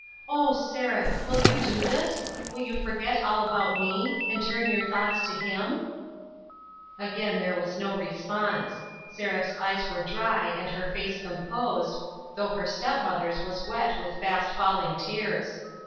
O, Seraph ! will you do this ? Will you forget all about me, and turn your thoughts to Him ?" Again there was no response. Seraph's eyes were dry and her face composed, though her step mother's was wet with fast falling tears.